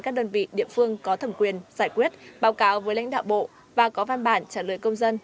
các đơn vị địa phương có thẩm quyền giải quyết báo cáo với lãnh đạo bộ và có văn bản trả lời công dân